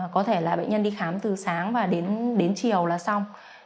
có thể là bệnh nhân đi khám từ sáng và đến chiều là xong